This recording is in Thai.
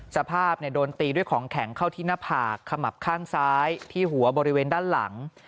สภาพโดนตีด้วยของแข็งเข้าที่หน้าผากขมับข้างซ้ายที่หัวบริเวณด้านหลัง